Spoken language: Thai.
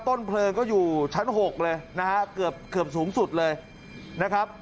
ต้นเพลิงก็อยู่ชั้น๖เลยนะฮะเกือบเกือบสูงสุดเลยนะครับ